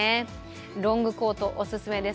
ロングコート、おすすめです。